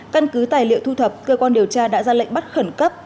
căn cứ tài liệu thu thập cơ quan điều tra đã ra lệnh bắt khẩn cấp